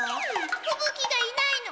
ふぶ鬼がいないの。